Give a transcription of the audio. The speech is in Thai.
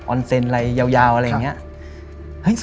อนเซ็นต์อะไรยาวอะไรอย่างนี้